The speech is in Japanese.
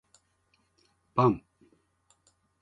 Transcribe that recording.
パン